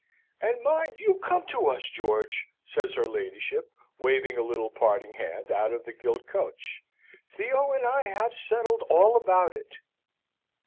"And mind you come to us, George," says her ladyship, waving a little parting hand out of the gilt coach. "Theo and I have settled all about it."